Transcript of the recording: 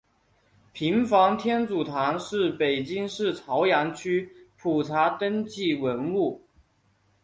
平房天主堂是北京市朝阳区普查登记文物。